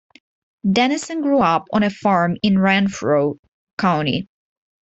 Dennison grew up on a farm in Renfrew County.